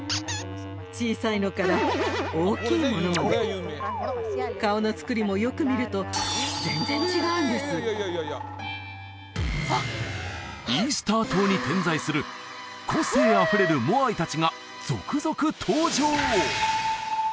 小さいのから大きいものまで顔のつくりもよく見ると全然違うんですイースター島に点在する個性あふれるモアイ達が続々登場！